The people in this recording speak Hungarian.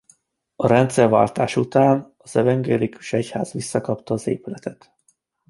A rendszerváltás után az evangélikus egyház visszakapta az épületet.